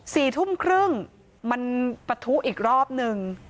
สี่ทุ่มครึ่งมันปะทุอีกรอบหนึ่ง